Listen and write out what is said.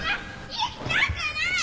行きたくない！